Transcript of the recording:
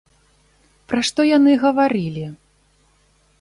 Пра што яны гаварылі?